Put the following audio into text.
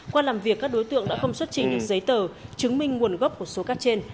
qua làm việc các đối tượng đã không xuất trình được giấy tờ chứng minh nguồn gốc của số cát trên